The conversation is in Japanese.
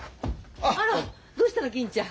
あらどしたの銀ちゃん。